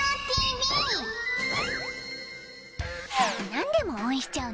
何でも応援しちゃう